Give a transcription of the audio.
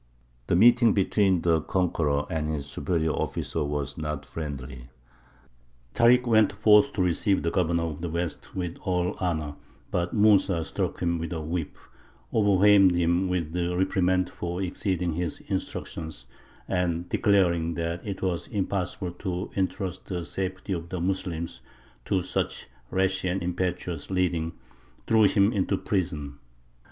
The meeting between the conqueror and his superior officer was not friendly. Tārik went forth to receive the governor of the West with all honour, but Mūsa struck him with a whip, overwhelmed him with reprimands for exceeding his instructions, and, declaring that it was impossible to entrust the safety of the Moslems to such rash and impetuous leading, threw him into prison.